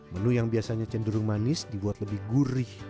menu yang biasanya cenderung manis dibuat lebih gurih